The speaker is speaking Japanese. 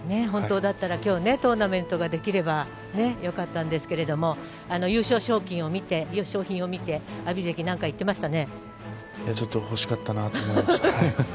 本当だったら今日、トーナメントができればよかったんですけれども優勝賞金を見て、商品を見て欲しかったなと思いました。